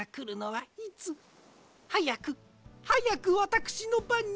はやくはやくわたくしのばんになって。